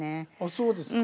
そうですか。